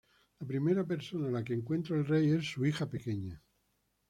La primera persona a la que encuentra el rey es su hija pequeña.